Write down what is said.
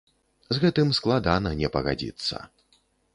З гэтым складана не пагадзіцца!